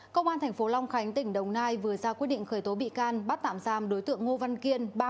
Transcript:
công an thành phố long khánh tỉnh đồng nai vừa ra quyết định khởi tố bị can bắt tạm giam đối tượng ngô văn kiên